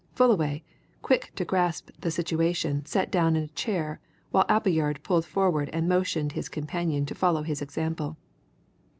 Fullaway, quick to grasp the situation, sat down in a chair which Appleyard pulled forward and motioned his companion to follow his example.